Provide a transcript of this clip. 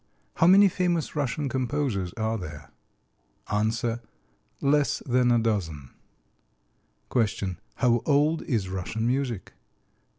How many famous Russian composers are there? A. Less than a dozen. Q. How old is Russian music?